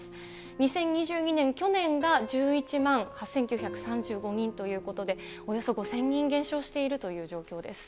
２０２２年・去年が１１万８９３５人ということで、およそ５０００人減少しているという状況です。